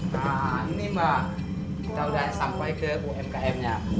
nah ini mbak kita sudah sampai ke umkm nya